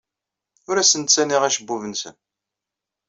Ur asen-ttaniɣ acebbub-nsen.